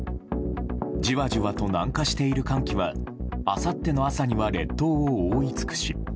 じわじわと南下している寒気はあさっての朝には列島を覆い尽くし